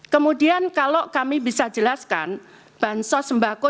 kemudian kalau kami bisa jelaskan bansos sembako